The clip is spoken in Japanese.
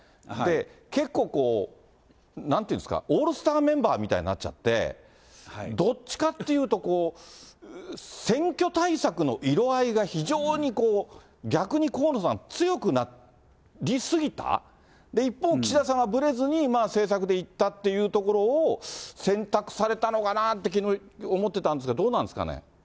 結構、なんていうんですか、オールスターメンバーみたいになっちゃって、どっちかっていうと、選挙対策の色合いが非常に逆に河野さん、強くなり過ぎた、一方、岸田さんはぶれずに政策でいったっていうところを選択されたのかなって、きのう思ってたんですが、どうなんですかね。